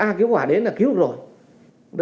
à cứu hỏa đến là cứu được rồi